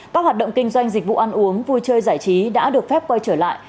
các hoạt động kinh doanh dịch vụ ăn uống vui chơi giải trí đã được phép quay trở lại